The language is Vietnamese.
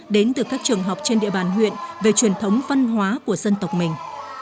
đến từ các trường học trên địa bàn huyện về truyền thống văn hóa của dân tộc mình